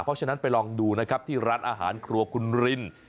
เพราะฉะนั้นไปลองดูนะครับที่ร้านอาหารครัวคุณริน